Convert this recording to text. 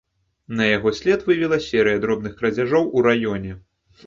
На яго след вывела серыя дробных крадзяжоў у раёне.